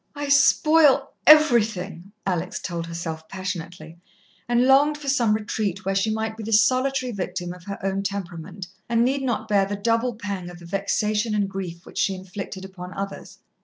"I spoil everything," Alex told herself passionately, and longed for some retreat where she might be the solitary victim of her own temperament, and need not bear the double pang of the vexation and grief which she inflicted upon others.